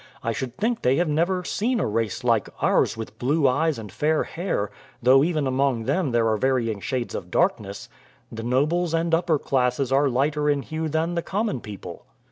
I should think they have never seen a race like ours with blue eyes and fair hair, though even among them there are varying shades of darkness. The nobles and upper classes are lighter in hue than the common people."